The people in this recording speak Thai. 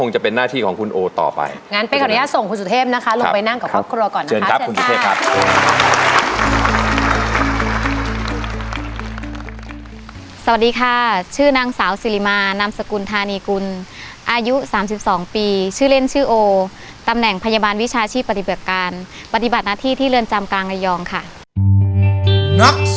แจ็คด้วยนะคะสวัสดีครับ